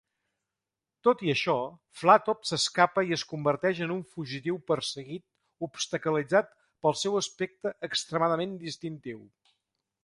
Tot i això, Flattop s'escapa i es converteix en un fugitiu perseguit obstaculitzat pel seu aspecte extremadament distintiu.